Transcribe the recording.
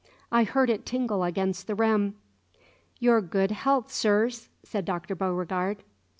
I heard it tingle against the rim. "Your good health, sirs!" said Dr. Beauregard.